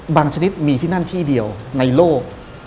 ชนิดมีที่นั่นที่เดียวในโลก